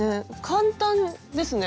簡単ですね。